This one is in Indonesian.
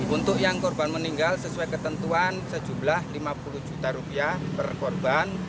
untuk yang korban meninggal sesuai ketentuan sejumlah lima puluh juta rupiah per korban